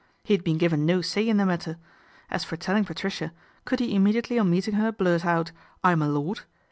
He had been given no say in the matter. As for telling Patricia, could he immediately on meeting her blurt out, " I'm a lord